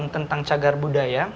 tentang cagar budaya